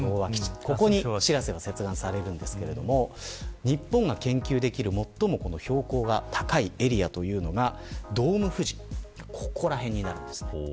ここに、しらせが接岸しますが日本が研究できる最も標高が高いエリアがドームふじここらへんになるんですね。